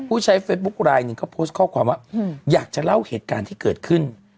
ผู้ใช้เฟซบุ๊คไลน์หนึ่งเขาโพสต์ข้อความว่าอยากจะเล่าเหตุการณ์ที่เกิดขึ้น